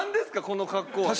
この格好は。